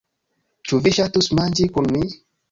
Ĉu vi ŝatus manĝi kun mi?